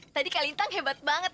tadi kalintang hebat banget